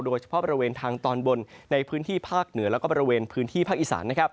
โดยเฉพาะบริเวณทางตอนบนในพื้นที่ภาคเหนือแล้วก็บริเวณพื้นที่ภาคอีสาน